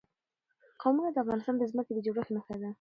قومونه د افغانستان د ځمکې د جوړښت نښه ده.